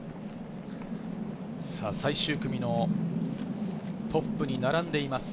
最終組のトップに並んでいます。